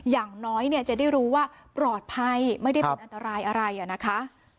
อย่างน้อยเนี่ยจะได้รู้ว่าปลอดภัยไม่ได้เป็นอันตรายอะไรนะคะ